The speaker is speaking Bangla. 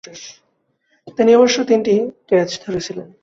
তিনি অবশ্য তিনটি ক্যাচ ধরেছিলেন।